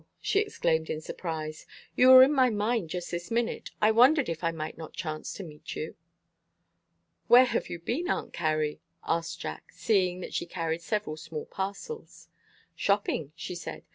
she exclaimed in surprise. "You were in my mind just this minute. I wondered if I might not chance to meet you." "Where have you been, Aunt Carrie?" asked Jack, seeing that she carried several small parcels. "Shopping," she said.